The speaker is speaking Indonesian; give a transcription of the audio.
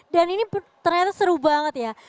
dan ini ternyata seru banget ya